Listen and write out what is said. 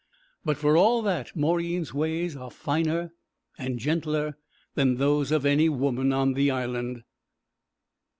But for all that Mauryeen's ways are finer and gentler than those of any woman in the Island.